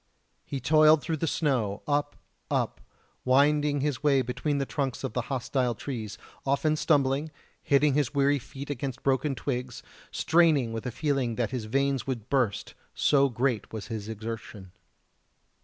He toiled through the snow, up, up, winding his way between the trunks of the hostile trees often stumbling hitting his weary feet against broken twigs straining with a feeling that his veins would burst, so great was his exertion.